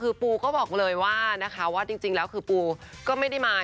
คือปูก็บอกเลยว่านะคะว่าจริงแล้วคือปูก็ไม่ได้มา